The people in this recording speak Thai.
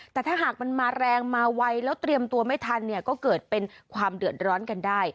แต่ถ้าหากมันมาแรงมาไวแล้วเตรียมตัวไม่ทันเนี่ยก็เกิดเป็นความเดือดร้อนกันได้